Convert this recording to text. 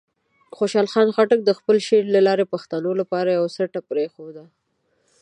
خوشحال خان خټک د خپل شعر له لارې د پښتنو لپاره یوه سټه پرېښوده.